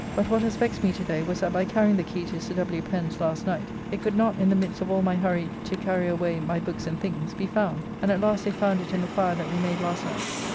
But what has vexed me to day was that by carrying the key to Sir W. Pen's last night, it could not in the midst of all my hurry to carry away my books and things, be found, and at last they found it in the fire that we made last night.